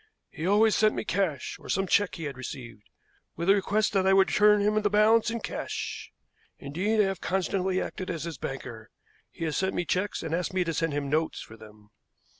He always sent me cash, or some check he had received, with a request that I would return him the balance in cash. Indeed, I have constantly acted as his banker. He has sent me checks and asked me to send him notes for them."